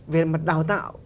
về mặt đào tạo